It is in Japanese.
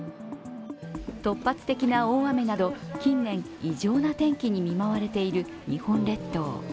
突発的な大雨など近年、異常な天気に見舞われている日本列島。